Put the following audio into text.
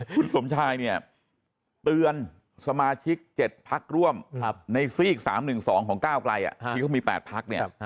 คุณสมชายเนี่ยเตือนสมาชิก๗พักร่วมในซีก๓๑๒ของก้าวไกลที่เขามี๘พักเนี่ย